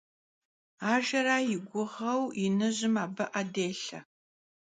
Ajjera yi guğeu Yinıjım abı 'e dêlhe.